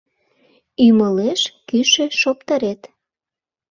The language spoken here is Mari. Ӱмылеш кӱшӧ шоптырет